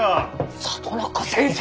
里中先生！？